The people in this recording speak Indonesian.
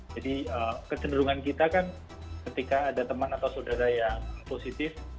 jadi kecenderungan kita kan ketika ada teman atau saudara yang positif